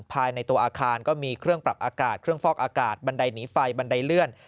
ภายในตัวอาคารก็มีเครื่องปรับอากาศเครื่องฟอกอากาศบันไดหนีไฟบันไดเลื่อน